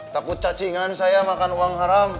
takut cacingan saya makan uang haram